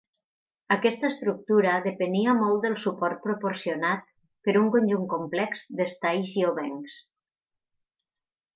Aquesta estructura depenia molt del suport proporcionat per un conjunt complex d'estais i obencs.